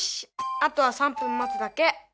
あとは３分待つだけ。